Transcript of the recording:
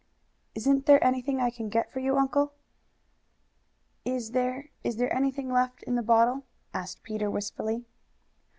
"Isn't there anything I can get for you, uncle?" "Is there is there anything left in the bottle?" asked Peter wistfully.